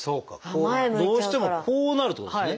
どうしてもこうなるってことですね。